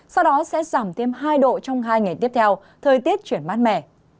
sau đó sẽ giảm thêm hai độ trong hai ngày tiếp theo thời tiết chuyển mát mẻ